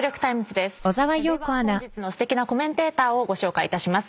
では本日のすてきなコメンテーターをご紹介いたします。